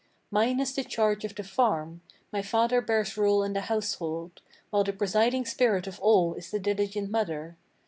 Mine is the charge of the farm; my father bears rule in the household; While the presiding spirit of all is the diligent mother.